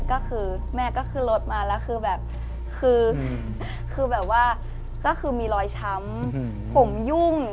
ก็คือแม่ก็ขึ้นรถมาแล้วคือแบบคือแบบว่าก็คือมีรอยช้ำผมยุ่ง